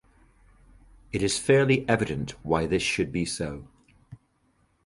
It is fairly evident why this should be so.